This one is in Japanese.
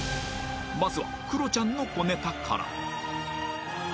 まずはクロちゃんの小ネタから